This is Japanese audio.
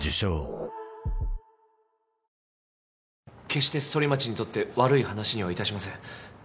決してソリマチにとって悪い話にはいたしません。